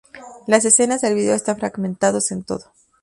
Las escenas del video están fragmentados en todo.